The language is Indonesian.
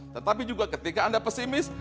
tetapi juga ketika anda pesimis